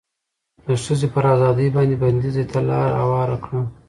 د ښځې پر ازادې باندې بنديز دې ته لار هواره کړه